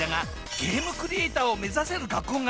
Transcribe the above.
ゲームクリエイターを目指せる学校とは？